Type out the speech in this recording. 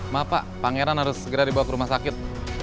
maaf pak pangeran harus segera dibawa ke rumah sakit